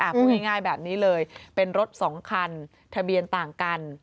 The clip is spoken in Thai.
พูดง่ายแบบนี้เลยเป็นรถสองคันทะเบียนต่างกัน